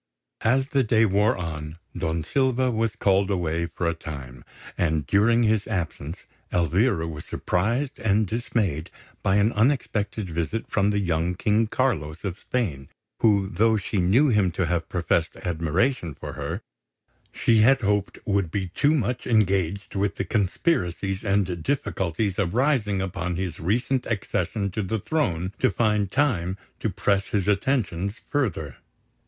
As the day wore on, Don Silva was called away for a time; and, during his absence, Elvira was surprised and dismayed by an unexpected visit from the young King Carlos of Spain, who, though she knew him to have professed admiration for her, she had hoped would be too much engaged with the conspiracies and difficulties arising upon his recent accession to the throne to find time to press his attentions further.